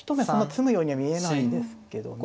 詰むようには見えないですけどね。